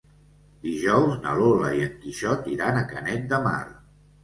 Dijous na Lola i en Quixot iran a Canet de Mar.